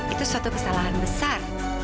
itu suatu kesalahan besar